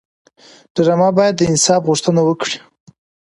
ډرامه باید د انصاف غوښتنه وکړي